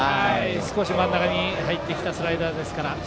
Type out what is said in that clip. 少し真ん中に入ったスライダーですから。